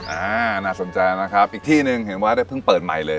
อ่าน่าสนใจนะครับอีกที่หนึ่งเห็นว่าได้เพิ่งเปิดใหม่เลย